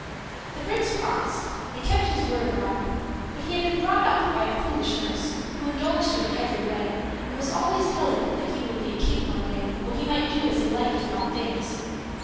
The prince promised, and kept his word a while; but he had been brought up by a foolish nurse, who indulged him in every way and was always telling him that he would be a king one day, when he might do as he liked in all things.